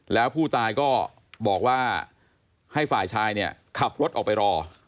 แล้วผู้ตายก็บอกว่าให้ฝ่ายชายเนี่ยขับรถออกไปรอ